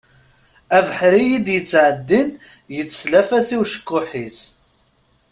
Abeḥri i d-yettɛeddin yetteslaf-as i ucekkuḥ-is.